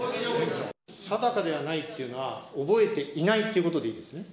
定かではないっていうのは、覚えていないということでいいですね。